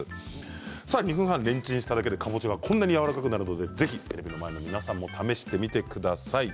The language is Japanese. ２分半レンチンしただけでかぼちゃがこんなにやわらかくなるのでぜひ、試してみてください。